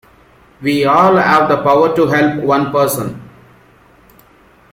We all have the power to help one person.